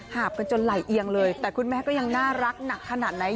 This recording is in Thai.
หาบกันจนไหลเอียงเลยแต่คุณแม่ก็ยังน่ารักหนักขนาดไหน